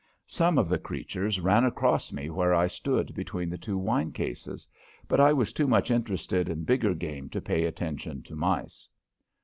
Some of the creatures ran across me where I stood between the two wine cases, but I was too much interested in bigger game to pay attention to mice.